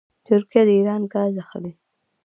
ترکیه د ایران ګاز اخلي.